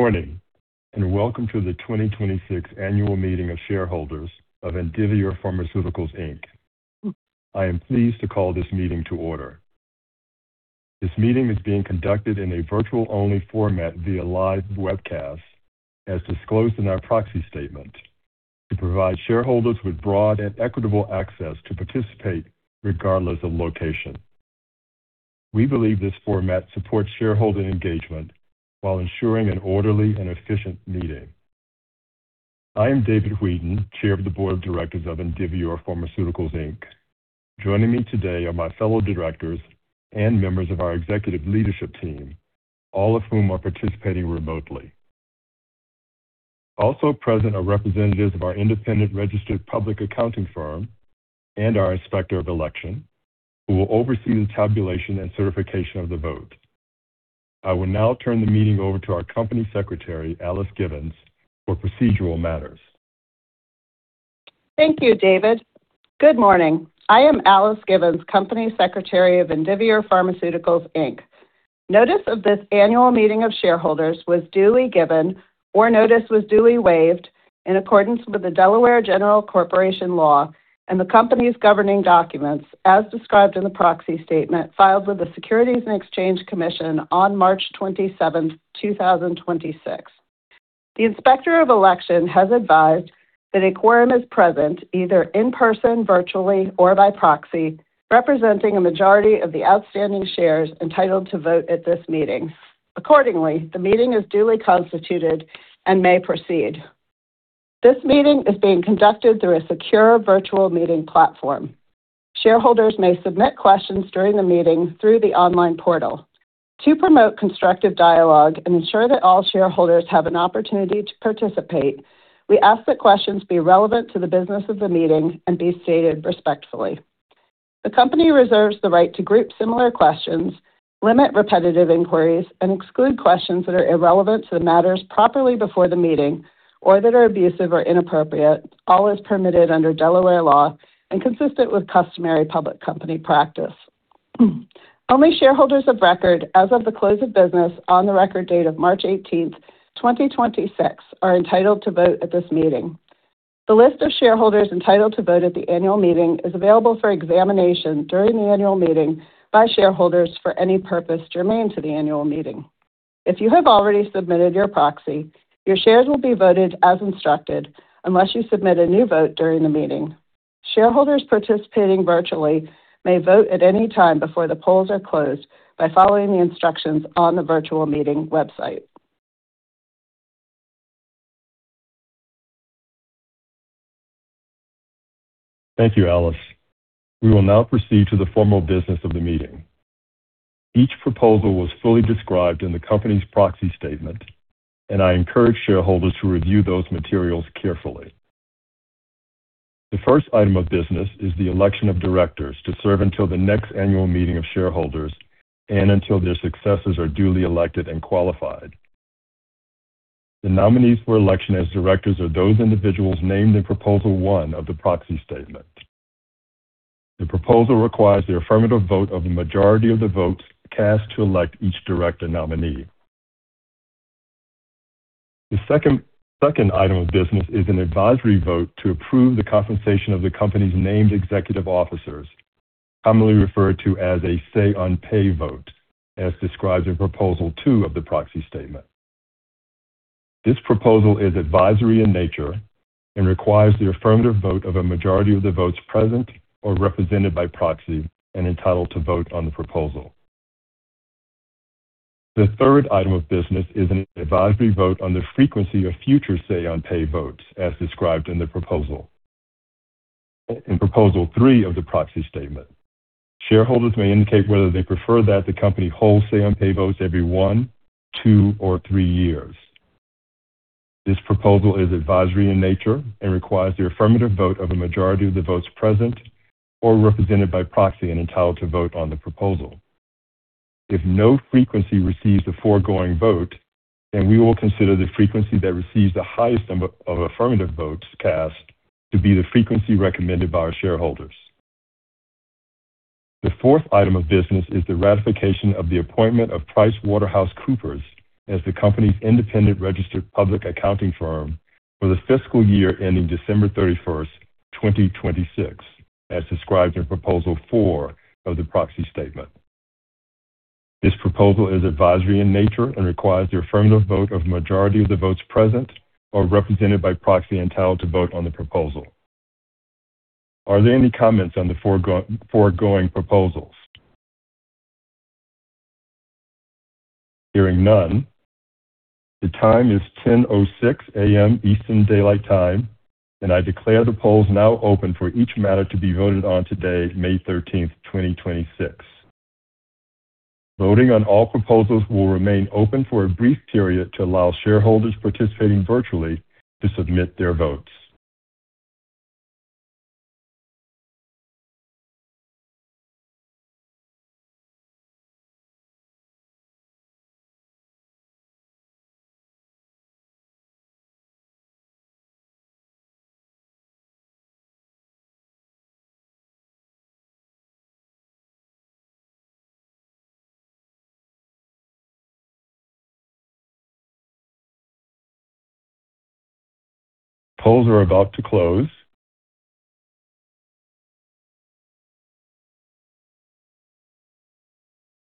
Morning, welcome to the 2026 annual meeting of shareholders of Indivior Pharmaceuticals, Inc. I am pleased to call this meeting to order. This meeting is being conducted in a virtual-only format via live webcast, as disclosed in our proxy statement, to provide shareholders with broad and equitable access to participate regardless of location. We believe this format supports shareholder engagement while ensuring an orderly and efficient meeting. I am David Wheadon, Chair of the Board of Directors of Indivior Pharmaceuticals, Inc. Joining me today are my fellow directors and members of our executive leadership team, all of whom are participating remotely. Also present are representatives of our independent registered public accounting firm and our inspector of election, who will oversee the tabulation and certification of the vote. I will now turn the meeting over to our Company Secretary, Kathryn Hudson, for procedural matters. Thank you, David. Good morning. I am Kathryn Hudson, Company Secretary of Indivior Pharmaceuticals, Inc. Notice of this annual meeting of shareholders was duly given, or notice was duly waived in accordance with the Delaware General Corporation Law and the company's governing documents, as described in the proxy statement filed with the Securities and Exchange Commission on March 27th, 2026. The inspector of election has advised that a quorum is present either in person, virtually, or by proxy, representing a majority of the outstanding shares entitled to vote at this meeting. Accordingly, the meeting is duly constituted and may proceed. This meeting is being conducted through a secure virtual meeting platform. Shareholders may submit questions during the meeting through the online portal. To promote constructive dialogue and ensure that all shareholders have an opportunity to participate, we ask that questions be relevant to the business of the meeting and be stated respectfully. The company reserves the right to group similar questions, limit repetitive inquiries, and exclude questions that are irrelevant to the matters properly before the meeting or that are abusive or inappropriate, all as permitted under Delaware law and consistent with customary public company practice. Only shareholders of record as of the close of business on the record date of March 18th, 2026 are entitled to vote at this meeting. The list of shareholders entitled to vote at the annual meeting is available for examination during the annual meeting by shareholders for any purpose germane to the annual meeting. If you have already submitted your proxy, your shares will be voted as instructed unless you submit a new vote during the meeting. Shareholders participating virtually may vote at any time before the polls are closed by following the instructions on the virtual meeting website. Thank you, Kathryn. We will now proceed to the formal business of the meeting. Each proposal was fully described in the company's proxy statement. I encourage shareholders to review those materials carefully. The first item of business is the election of directors to serve until the next annual meeting of shareholders and until their successors are duly elected and qualified. The nominees for election as directors are those individuals named in proposal one of the proxy statement. The proposal requires the affirmative vote of the majority of the votes cast to elect each director nominee. The second item of business is an advisory vote to approve the compensation of the company's named executive officers, commonly referred to as a say on pay vote, as described in proposal two of the proxy statement. This proposal is advisory in nature and requires the affirmative vote of a majority of the votes present or represented by proxy and entitled to vote on the proposal. The third item of business is an advisory vote on the frequency of future say on pay votes as described in the proposal in proposal three of the proxy statement. Shareholders may indicate whether they prefer that the company hold say on pay votes every one, two, or three years. This proposal is advisory in nature and requires the affirmative vote of a majority of the votes present or represented by proxy and entitled to vote on the proposal. If no frequency receives the foregoing vote, then we will consider the frequency that receives the highest number of affirmative votes cast to be the frequency recommended by our shareholders. The fourth item of business is the ratification of the appointment of PricewaterhouseCoopers as the company's independent registered public accounting firm for the fiscal year ending December 31st, 2026, as described in proposal four of the proxy statement. This proposal is advisory in nature and requires the affirmative vote of the majority of the votes present or represented by proxy entitled to vote on the proposal. Are there any comments on the foregoing proposals? Hearing none. The time is 10:06 A.M. Eastern Daylight Time. I declare the polls now open for each matter to be voted on today, May 13th, 2026. Voting on all proposals will remain open for a brief period to allow shareholders participating virtually to submit their votes. Polls are about to close.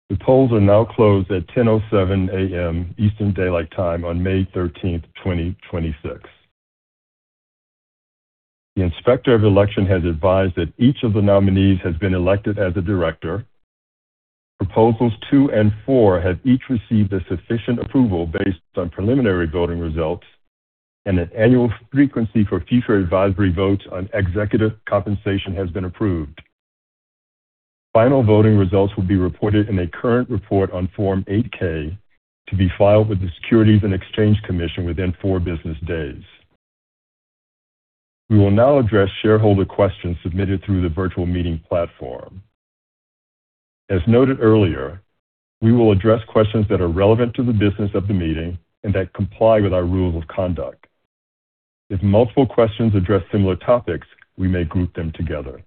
The polls are now closed at 10:07 A.M. Eastern Daylight Time on May 13th, 2026. The inspector of election has advised that each of the nominees has been elected as a director. Proposals two and four have each received a sufficient approval based on preliminary voting results, and an annual frequency for future advisory votes on executive compensation has been approved. Final voting results will be reported in a current report on Form 8-K to be filed with the Securities and Exchange Commission within four business days. We will now address shareholder questions submitted through the virtual meeting platform. As noted earlier, we will address questions that are relevant to the business of the meeting and that comply with our rules of conduct. If multiple questions address similar topics, we may group them together.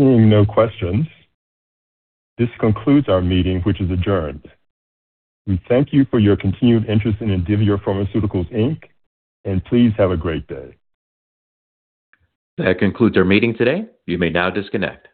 Seeing no questions, this concludes our meeting, which is adjourned. We thank you for your continued interest in Indivior Pharmaceuticals, Inc., please have a great day. That concludes our meeting today. You may now disconnect.